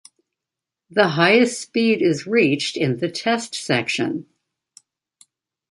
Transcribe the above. The highest speed is reached in the test section.